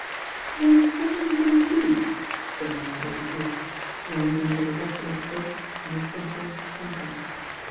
"Then what are you going to do?" demanded Lady Drewitt, rising with a rustle of silk and a ruf* fled temper.